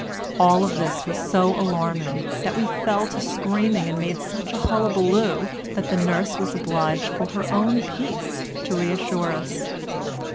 All this was so alarming that we fell to screaming and made such a hullabaloo that the nurse was obliged for her own peace to reassure us.